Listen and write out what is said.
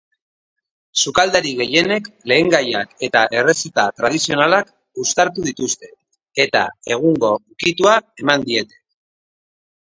Sukaldari gehienek lehengaiak eta errezeta tradizionalak uztartu dituzte eta egungo ukitua eman diete.